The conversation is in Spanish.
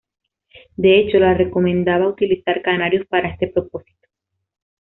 De hecho, la recomendaba utilizar canarios para este propósito.